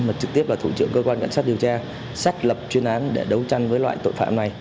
mà trực tiếp là thủ trưởng cơ quan cảnh sát điều tra xác lập chuyên án để đấu tranh với loại tội phạm này